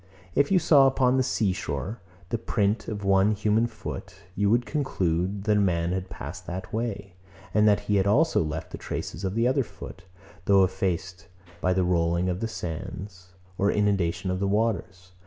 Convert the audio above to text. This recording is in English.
If you saw upon the sea shore the print of one human foot, you would conclude, that a man had passed that way, and that he had also left the traces of the other foot, though effaced by the rolling of the sands or inundation of the waters.